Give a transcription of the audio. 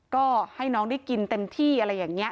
ก็ให้น้องได้กินเต็มที่อะไรอย่างนี้